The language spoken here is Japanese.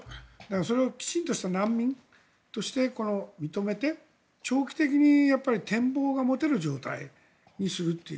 それをきちんとした難民として認めて長期的に展望が持てる状態にするという。